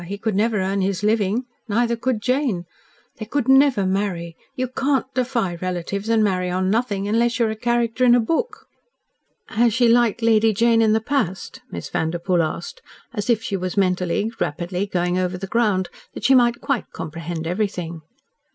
He could never earn his living. Neither could Jane. They could NEVER marry. You CAN'T defy relatives, and marry on nothing, unless you are a character in a book." "Has she liked Lady Jane in the past?" Miss Vanderpoel asked, as if she was, mentally, rapidly going over the ground, that she might quite comprehend everything.